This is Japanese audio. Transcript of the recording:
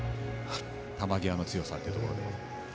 球際の強さというところで。